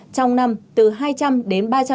trong năm từ hai trăm linh đến ba trăm linh